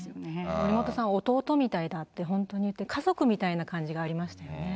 森本さん、弟みたいだって本当に言って、家族みたいな感じがありましたよね。